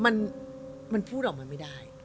มันพูดออกมาไม่ได้